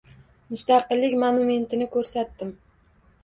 Mustaqillik monumentini koʻrsatdim.